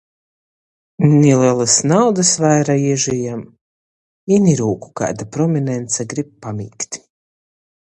Ni lelys naudys vaira Ježijam, i ni rūku kaida prominence grib pamīgt.